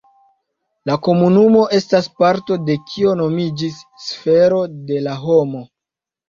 La komunumo estas parto de kio nomiĝis sfero de la homo.